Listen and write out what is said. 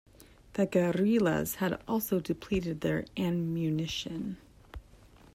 The guerrillas also had depleted their ammunition.